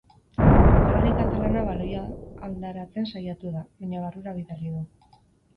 Jokalari katalana baloia aldaratzen saiatu da, baina barrura bidali du.